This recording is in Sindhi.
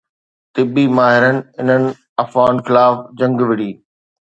طبي ماهرن انهن افواهن خلاف جنگ وڙهي